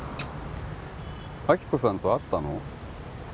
亜希子さんと会ったの？